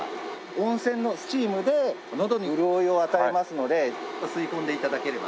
温泉のスチームでのどに潤いを与えますので吸い込んで頂ければ。